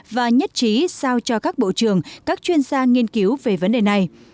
và nhất trí sao cho các bộ trưởng các chuyên gia nghiên cứu về vấn đề này